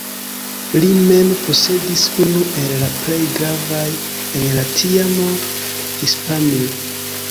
Li mem posedis unu el la plej gravaj en la tiama Hispanio.